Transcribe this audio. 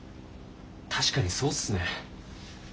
確かにそうっすね。